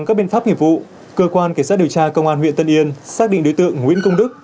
cơ quan cảnh sát điều tra công an huyện tân yên xác định đối tượng nguyễn cung đức